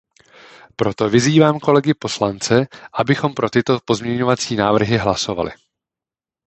Proto vyzývám kolegy poslance, aby pro tyto pozměňovací návrhy hlasovali.